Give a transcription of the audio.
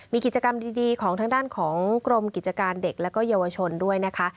มีกิจกรรมดีของทางด้านของกรมกิจการเด็กและเยาวชนด้วยนะคะ